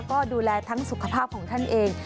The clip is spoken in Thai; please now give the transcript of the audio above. ก็ดูแลทั้งสุขภาพของท่านเอง